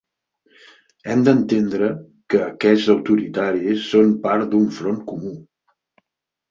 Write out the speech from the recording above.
Hem d’entendre que aquests autoritaris són part d’un front comú.